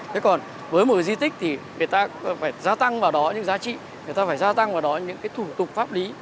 thế còn với một di tích thì người ta phải gia tăng vào đó những giá trị người ta phải gia tăng vào đó là những cái thủ tục pháp lý